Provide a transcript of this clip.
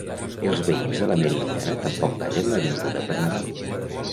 Els veïns de la Meridiana tampoc tallen l'avinguda per Nadal.